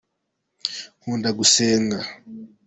nkunda gusenga.